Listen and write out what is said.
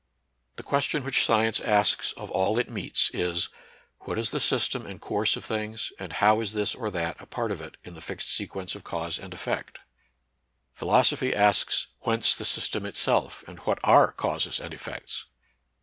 The question which science asks of all it meets is, What is the system and course of things, and how is this or that a part of it in the fixed sequence of cause and effect? Philos 6 66 NATURAL SCIENCE AND RELIGION. ophy asks whence the system itself, and what are causes and effects.